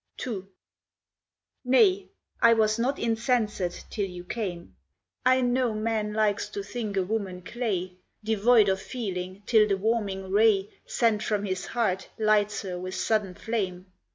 II Nay, I was not insensate till you came; I know man likes to think a woman clay, Devoid of feeling till the warming ray Sent from his heart lights her with sudden flame.